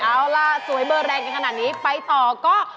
เอาล่ะสวยเบอร์แรงกันขนาดนี้ไปต่อก็